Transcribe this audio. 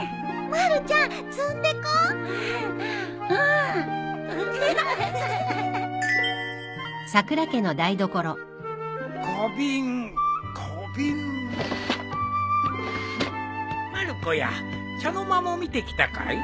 まる子や茶の間も見てきたかい？